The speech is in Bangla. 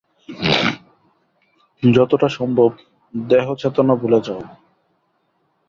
যতটা সম্ভব, দেহচেতনা ভুলে যাও।